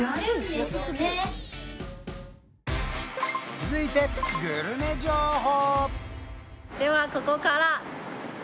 続いてグルメ情報！